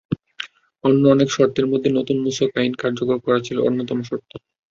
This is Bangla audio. অন্য অনেক শর্তের মধ্যে নতুন মূসক আইন কার্যকর করা ছিল অন্যতম শর্ত।